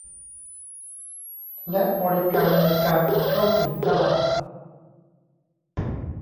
และบริการในการเข้าถึงตลาด